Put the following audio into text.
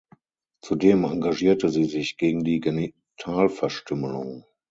Zudem engagierte sie sich gegen die Genitalverstümmelung.